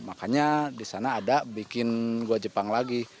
makanya di sana ada bikin gua jepang lagi